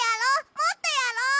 もっとやろ！